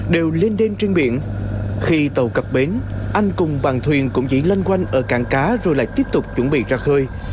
đều lên đêm trên biển khi tàu cặp bến anh cùng bàn thuyền cũng chỉ loanh quanh ở cảng cá rồi lại tiếp tục chuẩn bị ra khơi